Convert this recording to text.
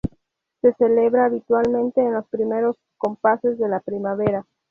Se celebra habitualmente en los primeros compases de la primavera.